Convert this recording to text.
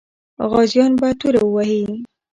غازیان به توره وهي.